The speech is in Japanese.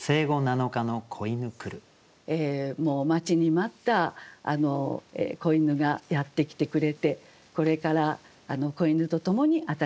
もう待ちに待った仔犬がやって来てくれてこれから仔犬とともに新しい生活が始まる。